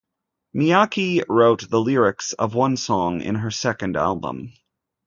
Miyake wrote the lyrics of one song in her second album.